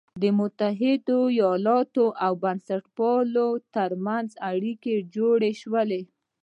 د متحدو ایالتونو او بنسټپالو تر منځ اړیکي جوړ شول.